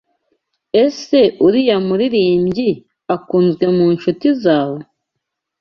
Ese uriya muririmbyi akunzwe mu nshuti zawe?